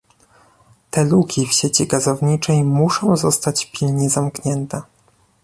Te luki w sieci gazowniczej muszą zostać pilnie zamknięte